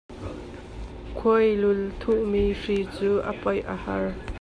Khuailul thuhmi hri cu a rop a har.